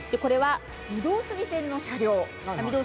御堂筋線の車両